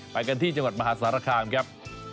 ไปกันที่จังหวัดมหาสารคามครับ